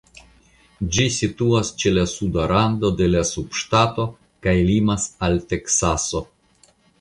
Ĝi situas ĉe la suda rando de la subŝtato kaj limas al Teksaso.